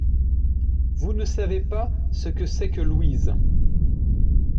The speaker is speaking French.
Vous ne savez pas ce que c’est que Louise !